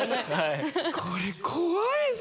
これ怖いぞ！